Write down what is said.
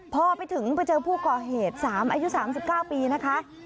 พอไปถึงไปเจอผู้ก่อเหตุ๓อายุ๓๙ปีนะคะ